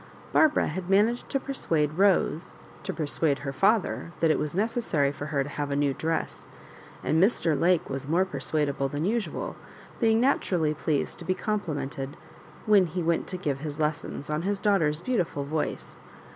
Barbara had managed to persuade Rose to persuade her father that it was necessary for her to have a new dress ; and Mr. Lake was more persuadable than usual, being naturally pleased to be complimented, when he went to give his lessons, on his daugh ter's beautiful voice.